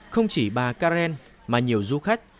không chỉ bà karen mà nhiều du khách